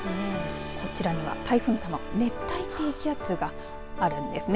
こちらには台風の卵熱帯低気圧があるんですね。